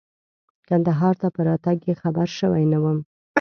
کندهار ته په راتګ یې خبر شوی نه وم.